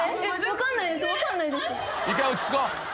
分かんないです。